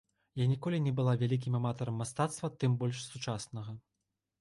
Я ніколі не была вялікім аматарам мастацтва, тым больш сучаснага.